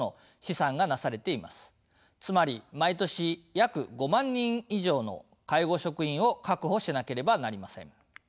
つまり毎年約５万人以上の介護職員を確保しなければなりません。